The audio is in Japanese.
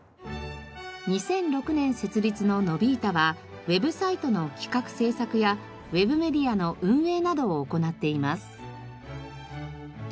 ２００６年設立のノヴィータはウェブサイトの企画制作やウェブメディアの運営などを行っています。